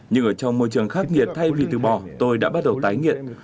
nhưng ở trong môi trường khắc nghiệt thay vì từ bỏ tôi đã bắt đầu tái nghiện